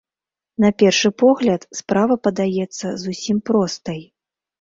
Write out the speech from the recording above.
На першы погляд, справа падаецца зусім простай.